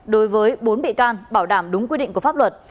đối với bốn bị can bảo đảm đúng quy định của pháp luật